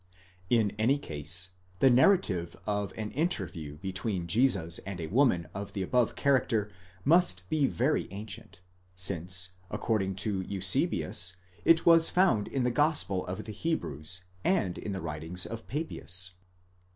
In any case, the narrative of an interview between Jesus and a woman of the. above character must be very ancient, since, according to Eusebius, it was found in the Gospel of the Hebrews, and in the writings of Papias.